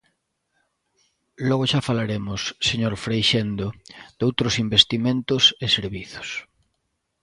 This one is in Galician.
Logo xa falaremos, señor Freixendo, doutros investimentos e servizos.